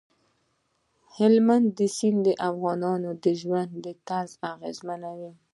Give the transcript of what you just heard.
هلمند سیند د افغانانو د ژوند طرز اغېزمنوي.